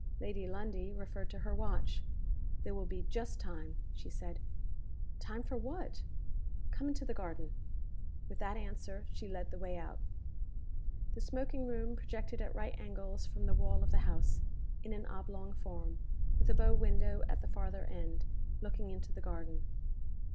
Lady Lundie referred to her watch. "There will be just time," she said. "Time for what?" "Come into the garden." With that answer, she led the way out The smoking room projected at right angles from the wall of the house, in an oblong form with a bow window at the farther end, looking into the garden.